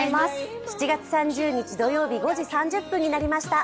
７月３０日土曜日、５時３０分になりました。